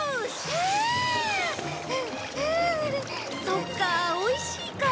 そっかあおいしいか。